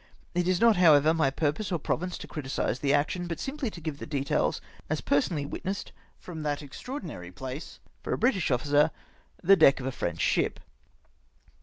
It is not, how ever, my pmpose or pro\dnce to criticise tlie action, but simply to give the details, as personally witnessed from that extraordinary place, for a British officer, the deck of a French ship